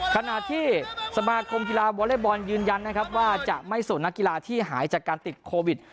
ขณะที่สมาคมกีฬาวอเล็กบอลยืนยันนะครับว่าจะไม่ส่งนักกีฬาที่หายจากการติดโควิด